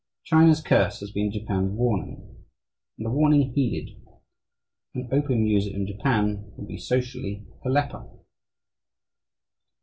China's curse has been Japan's warning, and a warning heeded. An opium user in Japan would be socially a leper.